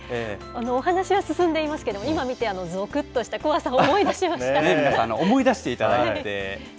お話は進んでいますけれども、今見て、ぞくっとして、怖さを思思い出していただいて。